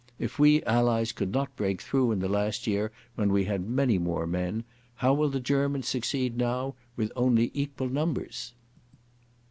If we Allies could not break through in the last year when we had many more men, how will the Germans succeed now with only equal numbers?"